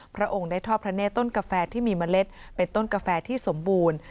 พระองค์ได้ทอดพระเนธต้นกาแฟที่มีเมล็ดเป็นต้นกาแฟที่สมบูรณ์